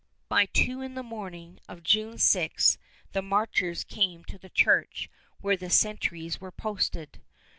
By two in the morning of June 6 the marchers came to the church where the sentries were posted.